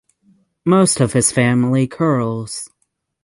Most of his family curls.